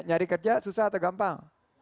nyari kerja susah atau gampang